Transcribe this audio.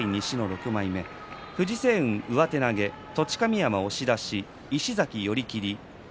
藤青雲、上手投げ栃神山、押し出しで石崎、寄り切り。